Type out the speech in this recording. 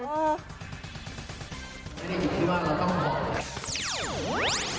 ก็เลือกได้ที่บ้างแล้วต้องมอบ